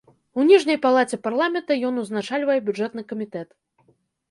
У ніжняй палаце парламента ён узначальвае бюджэтны камітэт.